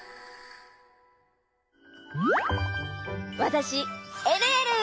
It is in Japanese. わたしえるえる！